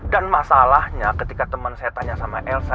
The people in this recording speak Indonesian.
dan masalahnya ketika temen saya tanya sama elsa